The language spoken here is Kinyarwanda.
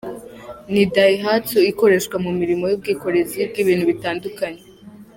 Ni Daihatsu, ikoreshwa mu mirimo y’ubwikorezi bw’ibintu bitandukanye.